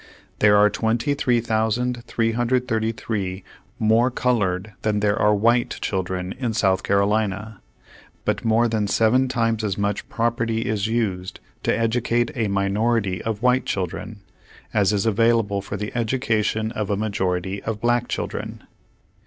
There are 23,333 more colored than there are white children in South Carolina, but more than seven times as much property is used to educate a minority of white children, as is available for the education of a majority of black children.